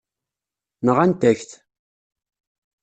Nɣant-ak-t.